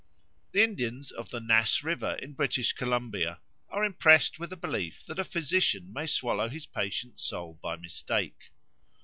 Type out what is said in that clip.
The Indians of the Nass River, in British Columbia, are impressed with a belief that a physician may swallow his patient's soul by mistake.